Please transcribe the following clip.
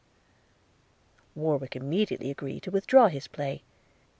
Warwick immediately agreed to withdraw his play.